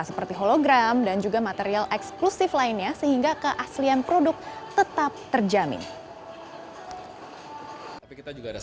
seperti hologram dan juga material eksklusif lainnya sehingga keaslian produk tetap terjamin